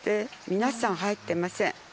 皆さん、入っていません。